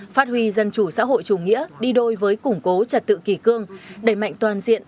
phát huy dân chủ xã hội chủ nghĩa đi đôi với củng cố trật tự kỳ cương đẩy mạnh toàn diện